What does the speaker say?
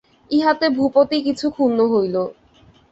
ইহাতে ভূপতি কিছু ক্ষুণ্ন হইল।